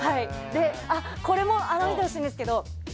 これも、見てほしいんですけど。